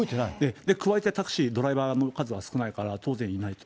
加えてタクシー、ドライバーの数が少ないから、当然いないと。